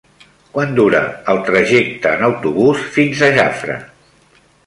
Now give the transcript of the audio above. Quant dura el trajecte en autobús fins a Jafre?